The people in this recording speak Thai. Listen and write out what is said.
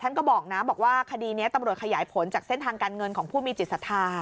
ก็บอกนะบอกว่าคดีนี้ตำรวจขยายผลจากเส้นทางการเงินของผู้มีจิตศรัทธา